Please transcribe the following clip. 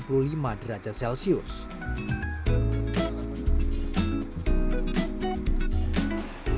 proses penghampaan ini dilakukan selama sekitar empat puluh lima menit dan hampir tidak ada jeda